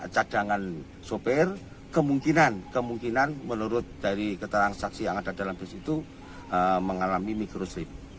jadangan sopir kemungkinan menurut dari keterang saksi yang ada dalam bus itu mengalami mikroslip